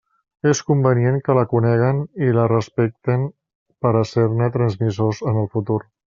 És convenient que la coneguen i la respecten per a ser-ne transmissors en el futur.